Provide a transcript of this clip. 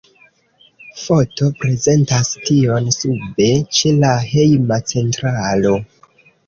Foto prezentas tion sube ĉe la hejma centralo.